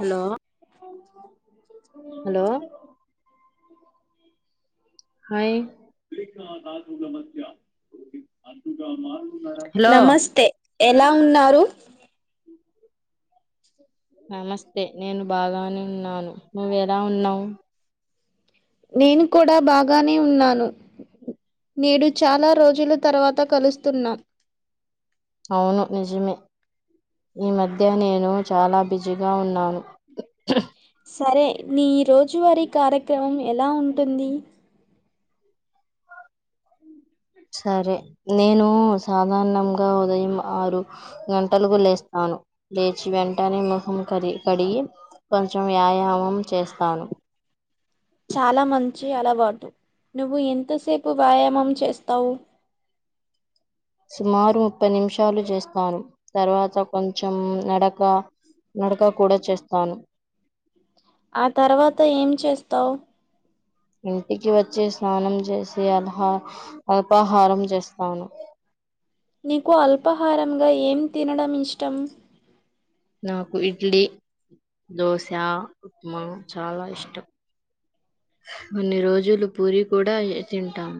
Hello hello hi hello నమస్తే ఎల ఉన్నారు? నమస్తె నేను బాగానె ఉన్నాను నువ్వెలా ఉన్నావ్ నేను కుడ బాగానే ఉన్నాను. నేడు చాలా రోజులు తర్వాత కులుస్తున్నాం. అవును నిజమే ఈ మధ్య నేను చాలా బిజీగా ఉన్నాను. సరే నీ రోజువారి కార్యక్రమం ఎలా ఉంటుంది. సరె నేను సాధారణంగా ఉదయం ఆరు గంటలకు లేస్తా. ను. లేచి వెంటనే మొహం కరి కడిగి కొంచం వ్యాయామం చేస్తాను. చాలా మం చి అలవాటు నువ్వు ఎంతసేపు వాయామం చేస్తవ్ సుమారు ముప్పై నిమ్షాలు చేస్తాను. తర్వాత కొంచెమ్ నడక నడక కూడా చేస్తాను. ఆ తర్వాత ఏం చేస్తవ్ ఇంటికి వచ్చి స్నానం చేసి అల్హ అల్పాహారం చెస్తాను. నీకు అల్పాహారమ్గా ఏం తినడం ఇష్టం. నాకు ఇడ్లీ, దోసా, ఉప్మా చాలా ఇష్టం. కొన్ని రోజులు పూరి కూడా ఎ తింటాం.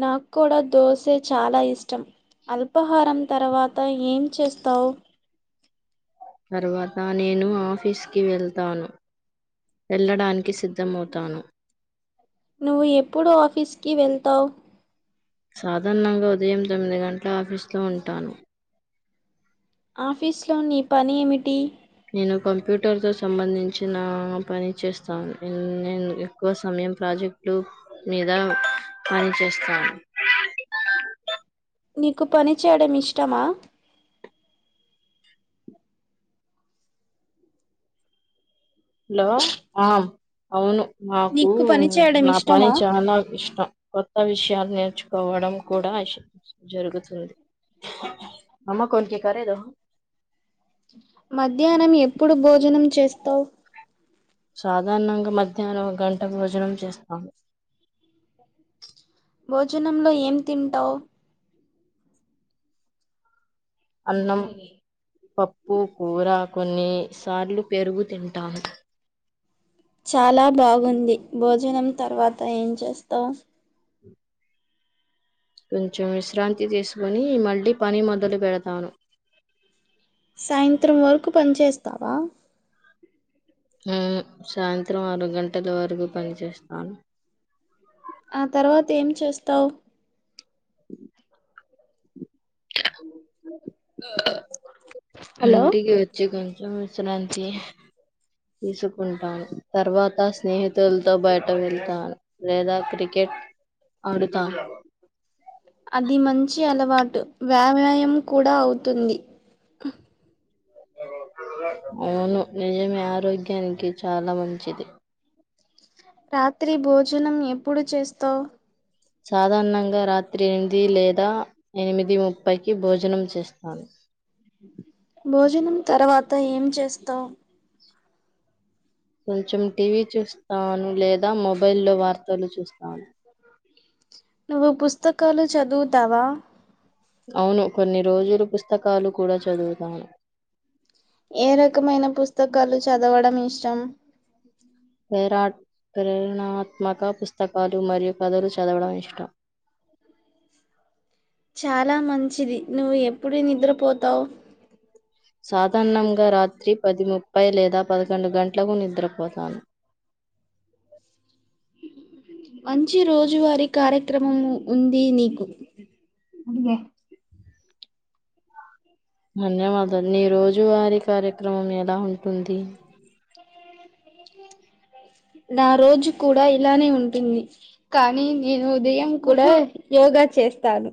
నాక్కూడ దోసె చాలా ఇష్టం. అల్పహారం తరవాత ఏం చేస్తవ్ తర్వాత నేను ఆఫీస్కి వెళ్తాను. వెళ్ళడానికి సిద్ నువ్వు ఎప్పుడు ఆఫీస్కి వెళ్తవ్ సాధాణంగ ఉదయం తొమ్మిది గంట్ల ఆఫీస్లో ఉంటాను. ఆఫీస్లొ నీ పని ఏమిటి? నేను కంప్యూటర్తో సంబంధించిన పని చేస్తాను. నేన్ నేన్ ఎక్కవ సమ యం ప్రాజెక్టు మీద పని చేస్తాను. నీకు పని చేయడం ఇష్టమా? హలో ఆ అవును నాకూ నీకు పని చేయడం నా పని ఇష్టమా చాలా ఇష్టం. కొత్త విషయాల్ నేర్చుకోవడం కూడా అష్ జరుగుతుంది. అమ్మ కోన్కి కరేదో మధ్యాన్నం ఎప్పుడు భోజనం చేస్తవ్ సాధాణంగ మధ్యాహ్నం గంట భోజనం చేస్తాము. భోజనంలో ఏం తింటావ్ అన్నం మ్యాగే పప్పు కూర కొన్నీ సార్లు పెరుగు తింటాను. చాలా బాగుంది భోజనం తర్వాత ఏం చేస్తావ్. కొంచెం విశ్రాంతి తీసుకొని మళ్ళీ పని మొదలు పెడతాను. సాయంత్రం వరకు పన్ చేస్తావా మ్ సాయంత్రం ఆరు గంటల వరకు పని చేస్తాను. ఆ తర్వాత ఏం చేస్తావ్. హలో ఇంటికి వచ్చి కొంచం విశ్రాంతి తీసుకుంటాను. తర్వాత స్నేహితులతో బయట వెళ్తాను. లేదా క్రికెట్ ఆడుతాను. అది మంచి అల వాటు వ్యాయాయం కూడా అవుతుంది. అవును నిజమే ఆరోగ్యానికి చాలా మంచిది. రాత్రి భోజనం ఎప్పుడు చేస్తావ్. సాధారణంగా రాత్రి ఎనిమిది లేదా ఎనిమిది ముప్పైకి భోజనం చేస్తాను. భోజనం తర్వాత ఏం చేస్తావ్. కొంచెం టీవీ చూస్తాను. లేదా మొబైల్లో వార్తలు చూస్తాను. నువ్వు పుస్తకాలు చదువుతావా. అవును కొన్ని రోజులు పుస్తకాలు కూడా చదువుతాను. ఏ రకమైన పుస్తకాలు చదవడం ఇష్టం. పేరా ప్రేరణాత్మక పుస్తకాలు మరియు కథలు చదవడం ఇష్టం. చాలా మంచిది. నువ్వు ఎప్పుడు నిద్రపోతావ్. సాధారణంగా రాత్రి పది ముప్పై లేదా పదకొండు గంటలకు నిద్రపోతాను. మంచి రోజువారీ కార్యక్రమం ఉందీ నీకు. ధన్యవాదాలు నీ రోజు వారి కార్యక్రమం ఎలా ఉంటుంది. నా రోజు కూడా ఇలానే ఉంటుంది. కానీ నేను ఉదయం కూడా యోగా చేస్తాను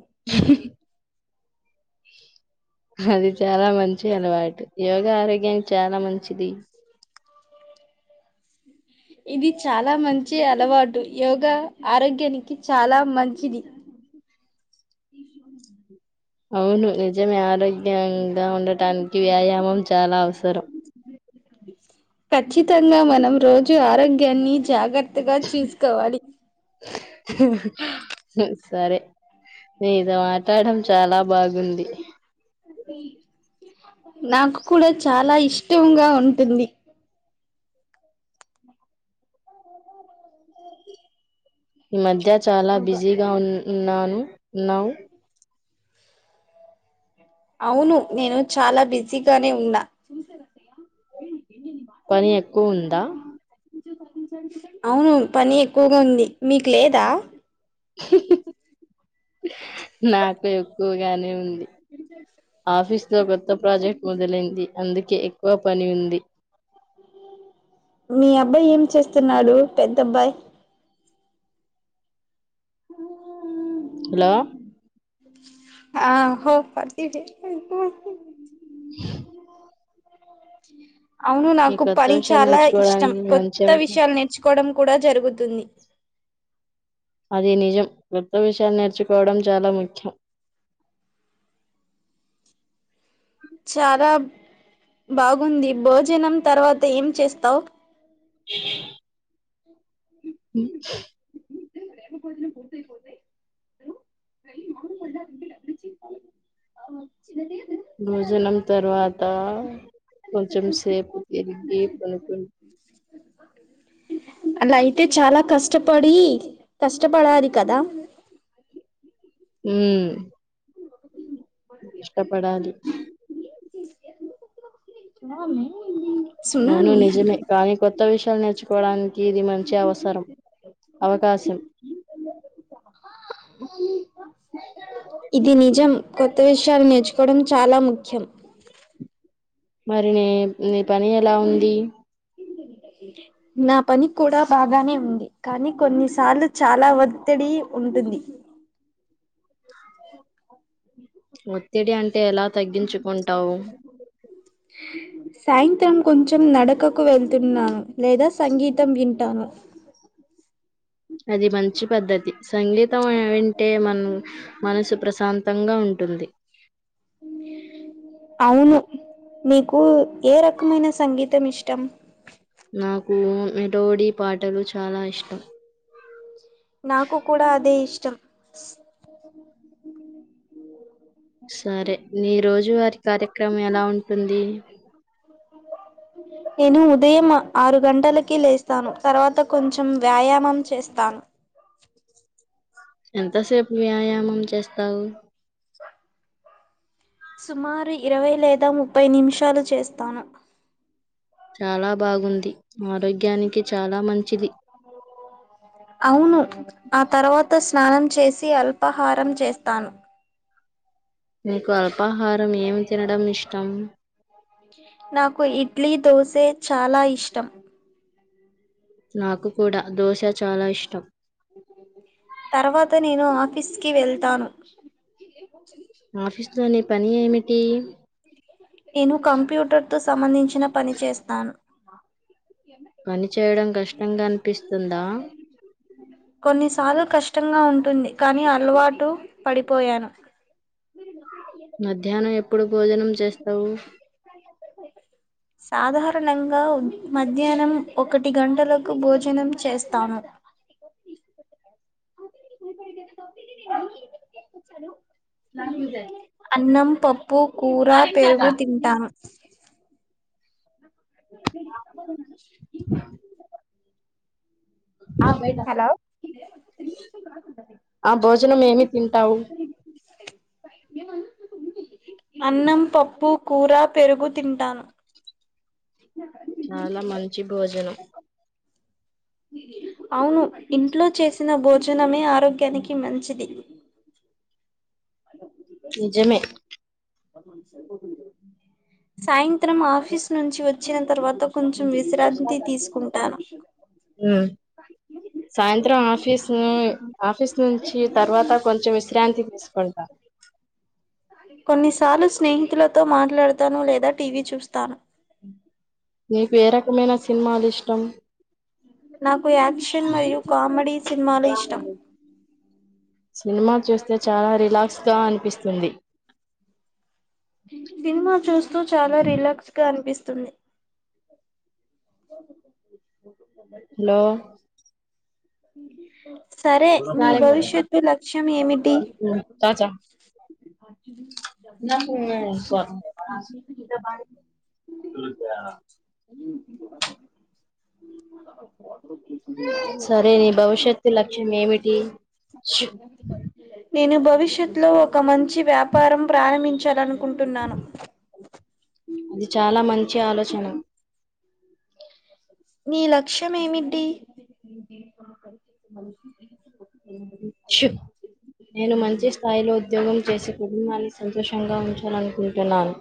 అది చాలా మంచి అలవాటు. యోగ ఆరోగ్యానికి చానా మంచిది. ఇది చాలా మంచి అలవాటు. యోగ ఆరోగ్యానికి చాలా మంచిది. అవును నిజమే ఆరోగ్యాంగా ఉండటానికి వ్యాయామం చాలా అవసరం. ఖచ్చితంగా మనం రోజు ఆరోగ్యాన్ని జాగ్రత్తగా చూసుకోవాలి. సరే నీతో ట్టడం చాలా బాగుంది నాకు కూడా చాలా ఇష్టంగా ఉంటుంది. ఈ మధ్య చాలా యోగా. బిజీగా ఉన్ ఉన్నాను ఉన్నావు అవును నేను చాలా బిజీగానే ఉన్నా. పని ఎక్కువుందా అవును పని ఎక్కువుగ ఉంది మీకు లేదా నాకు ఎక్కువగానే ఉంది ఆఫీస్ లో కొత్త ప్రాజెక్ట్ మొదలైంది అందుకే ఎక్కువ పని ఉంది. మీ అబ్బాయ్ ఏం చేస్తున్నాడు పెద్ద అబ్బాయ్ హలో ఆ హో పటి ఇటు ఇవ్వు అవును ఈ నాకు కొత్త పని విషయాలు చాలా ఇష్టం నేర్చుకోవడానికి మంచి కొత్త అవకా విషయాలు నేర్చుకోడం కూడ జరుగుతుంది అది నిజం కొత్త విషయాలు నేర్చుకోవడం చాలా ముఖ్యం చాల బాగుంది భోజనం తర్వాత ఏం చేస్తావ్ ఉ [inaudible] చిన్నదీ భోజనం తర్వాత కొంచెం సెపు తిరిగి పడ్కున్ అలఅయితే చాలా కష్టపడీ కష్టపడాలి కదా ఊ కష్టపడాలి [inaudible] అవును సునామీ, నిజమె హలో. కానీ కొత్త విష ల్ నేర్చుకోవడానికి ఇది మంచి అవసరం అవకాశం ఇది నిజం కొత్త విషయాలు నేర్చుకోవడం చాలా ముఖ్యం మరి నీ ని పని ఎలా ఉంది నా పని కూడా బాగానే ఉంది కానీ కొన్నిసార్లు చాలా ఒత్తిడి ఉన్ ది ఒత్తిడి అంటే ఎలా తగ్గించుకుంటవ్ సాయింత్రం కొంచం నడకకు వెళ్తున్నాను లేదా సంగీతం వింటాను అది మంచి పద్ధతి సంగీతం అ వింటే మన్ మనసు ప్రశాంతంగా ఉంటుంది అవును మికు ఏ రకమైన సంగీతం ఇష్టం నాకు మెటోడి పాటలు చాలా ఇష్టం నాకు కూడ అదే ఇష్టం సరే నీ రోజు వారి కార్యక్రం ఎలా ఉంటుంది నేను ఉదయం ఆరు గంటలకి లేస్తాను తర్వాత కొంచెం వ్యాయామం చేస్తాను ఎంతసేపు వ్యాయామం చేస్తావు సుమారు ఇరవై లేదా ముప్పై నిమిషాలు చేస్తాను చాలా బాగుంది ఆరోగ్యానికి చాలా మంచిది అవును ఆ తర్వాత స్ స్నానం చేసి అల్పాహారం చేస్తాను నీకు అల్పాహారం ఏమి తినడం ఇష్టం నాకు ఇడ్లీ దోసే చాలా ఇష్టం నాకు కూడ దోశ చాలా ఇష్టం తర్వాత నేను ఆఫీస్ కి వెళ్తాను. ఆఫీస్లో ని పని ఏమిటి నేను కంప్యూటర్ తో సంబంధించిన పని చేస్తాను. పని చేయడం కష్టంగ అన్పిస్తుందా. కొన్నిసార్లు కష్టంగా ఉంటుంది కాని అలవాటు పడిపోయాను మధ్యాహ్నం ఎప్పుడు భోజనం చేస్తావు సాధారణంగా ఉం మధ్యాహ్నం ఒకటి గంటలకు భోజనం చేస్తాను అన్నం, పప్పు, కూర, పెరుగు తింటాను. హలో అ భోజనం ఏమి తింటావు అన్నం, పప్పు, కూర, పెరుగు తింటాను. చాలా మంచి భోజనం అవును ఇంట్లో చేసిన భోజనమే ఆరోగ్యానికి మంచిది. నిజమే సాయంత్రం ఆఫీస్ నుంచి వచ్చిన తర్వత కొంచెం విశ్రాంతి తీసుకుంటాను. చెసినె ఆఫీస్ నుంచి తర్వాత కొంచెం విశ్రాంతి తీసుకుంటా. కొన్నిసార్లు స్నేహితులతో మాట్లాడతాను లేదా టీవీ చూస్తాను. నీకు ఏ రకమైన సినిమాలు ఇష్టం. నాకు యాక్షన్ మరియు కామెడీ సినిమాలు ఇష్టం. సినిమా చూస్తే చాలా రిలాక్స్ గా అనిపిస్తుంది. సినిమా చూస్తూ చాలా రిలాక్స్ గా అనిపిస్తుంది. హలో సరే మీ భవిష్యత్తు లక్ష్యం ఏమిటి? చాచా సరే నీ భవిష్యత్తు లక్ష్యం ఏమిటి? నేను భవిష్యత్తు లో ఒక మంచి వ్యాపారం ప్రారంభించాలనుకుంటున్నాను అది చాలా మంచి ఆలోచన నీ లక్ష్యం ఏమిటి నేను మంచి స్థాయిలో ఉద్యోగం చేసికుని కుటుంబాన్ని సంతోషంగా ఉంచ్ చాలనుకుంటున్నాను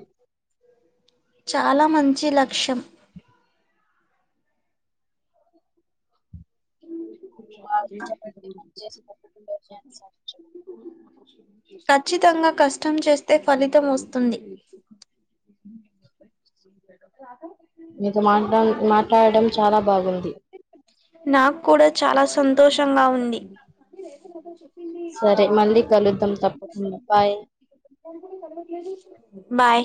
చాలా మంచి లక్ష్యం [inaudible] ఖచ్చితంగా కష్టం చేస్తే ఫలితం వస్తుంది. మీతో మట్ల మాట్లాడడం చాలా బాగుంది. నాక్కుడా చాలా సంతోషంగా ఉంది. సరే మళ్ళీ కలుద్దాం తప్పకుండా బాయ్ బాయ్